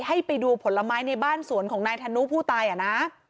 ให้ไปดูผลไม้ในบ้านสวนของนายธนุผู้ตายอ่ะนะ